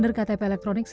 perubatan yang berpaksa